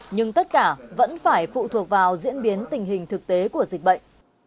nhưng tất cả vẫn phải phụ thuộc vào diễn biến tình hình thực tế của dịch bệnh